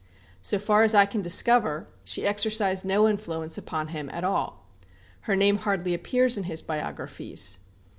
So far as I can discover, she exercised no influence upon him at all. Her name hardly appears in his biographies.